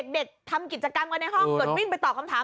เด็กทำกิจกรรมกันในห้องเกิดวิ่งไปตอบคำถาม